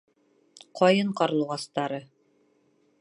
ҠАЙЫН ҠАРЛУҒАСТАРЫ